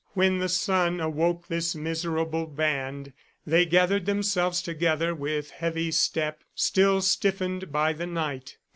When the sun awoke this miserable band they gathered themselves together with heavy step, still stiffened by the night.